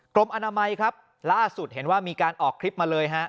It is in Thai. กรมอนามัยครับล่าสุดเห็นว่ามีการออกคลิปมาเลยฮะ